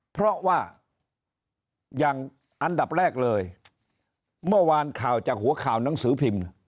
เพราะว่าอย่างอันดับแรกเลยเมื่อวานข่าวจากหัวข่าวหนังสือพิมพ์